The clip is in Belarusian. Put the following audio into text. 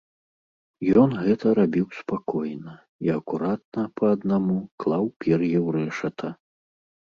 Ён гэта рабіў спакойна і акуратна, па аднаму, клаў пер'е ў рэшата.